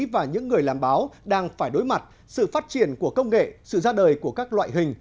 và những người làm báo đang phải đối mặt sự phát triển của công nghệ sự ra đời của các loại hình